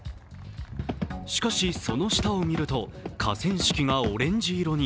しかし、その下を見ると河川敷がオレンジ色に。